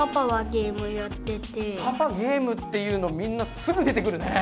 パパゲームっていうのみんなすぐ出てくるね。